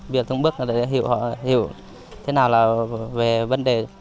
việc thông bức để hiểu thế nào là về vấn đề